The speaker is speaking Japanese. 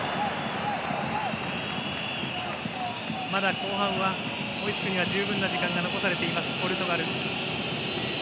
後半は追いつくには十分な時間が残されていますポルトガル。